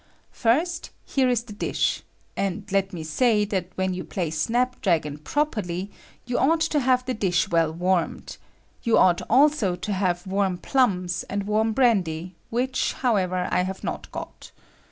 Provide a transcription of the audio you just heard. First, here is the dish; and let me say, that when you play snapdragon properly you ought to have the dish well warmed ; yon ought also to have warm plums, and warm brandy, which, however, I have not got.